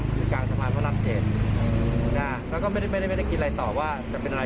อยู่กลางสมาธิพระนักเกษแล้วก็ไม่ได้กินอะไรต่อว่าจะเป็นอะไร